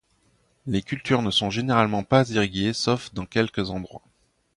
Les cultures ne sont généralement pas irriguées, sauf dans quelques endroits.